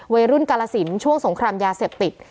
กาลสินช่วงสงครามยาเสพติด